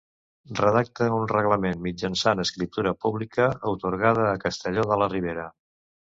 Redacte un reglament mitjançant escriptura pública, atorgada a Castelló de la Ribera.